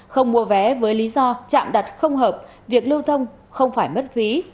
không mua vé với lý do chạm đặt không hợp việc lưu thông không phải mất phí